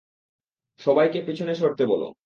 সবাইকে পিছনে সরতে বল।